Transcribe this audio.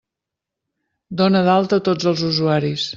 Dona d'alta tots els usuaris!